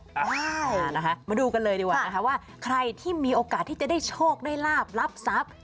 อ่านะคะมาดูกันเลยดีกว่านะคะว่าใครที่มีโอกาสที่จะได้โชคได้ลาบรับทรัพย์